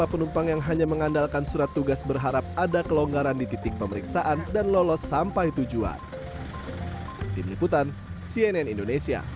penumpang yang hanya mengandalkan surat tugas berharap ada kelonggaran di titik pemeriksaan dan lolos sampai tujuan